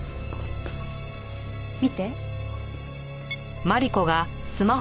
見て。